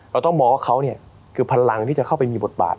เราต้องมองว่าเขาคือพลังที่จะเข้าไปมีบทบาท